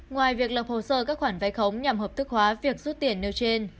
ngoài việc lập hồ sơ các khoản vai khống nhằm hợp thức hóa việc rút tiền nêu trên